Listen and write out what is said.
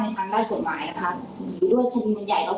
เราสายชั้นต้นก็คาลปิจารณาทั้งเดียวต้องรอ